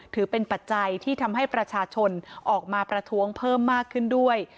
ถือเป็นปัจจัยที่ทำให้ประชาชนออกมาประท้วงเพิ่มมากขึ้นด้วย